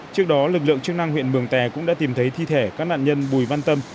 trước đó lực lượng chức năng huyện mường tè cũng đã tìm thấy thi thể các nạn nhân bùi văn tâm